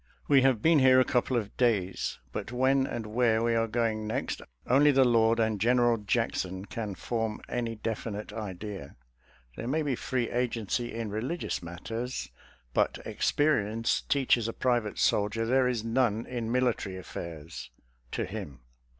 We have been here a couple of days, but when and where we are going next, only the Lord and Gen eral Jackson can form any definite idea. There may be free agency in religious matters, but ex perience teaches a private soldier there is none in military affairs — to him.